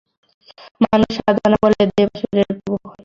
মানুষ সাধনাবলে দেবাসুরের প্রভু হয়।